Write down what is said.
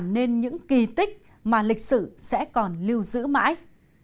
nên những kỳ tích mà lịch sử sẽ còn lưu giữ mãi